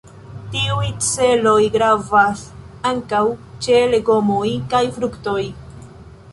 Tiuj celoj gravas ankaŭ ĉe legomoj kaj fruktoj.